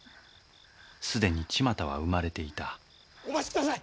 既に千万太は生まれていたお待ち下さい！